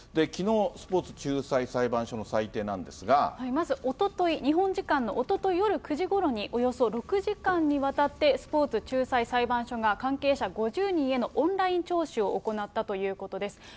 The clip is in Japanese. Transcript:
きのう、スポーツ仲裁裁判所の裁まず、おととい、日本時間のおととい夜９時ごろに、およそ６時間にわたって、スポーツ仲裁裁判所が、関係者５０人へのオンライン聴取を行ったということです。